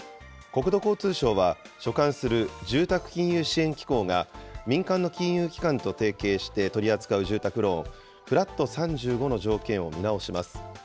国土交通省は、所管する住宅金融支援機構が、民間の金融機関と提携して取り扱う住宅ローン、フラット３５の条件を見直します。